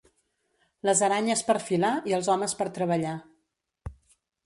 Les aranyes per filar i els homes per treballar.